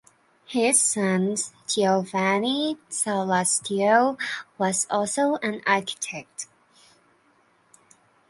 His son Giovanni Sallustio was also an architect.